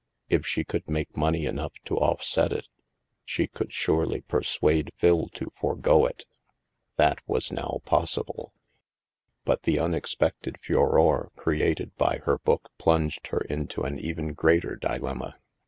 If she could make money enough to offset it, she could surely persuade Phil to forego it. That was now possible ; but the unexpected furore created by her book plunged her into an even greater dilemma.